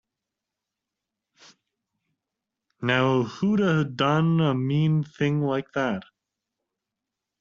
Now who'da done a mean thing like that?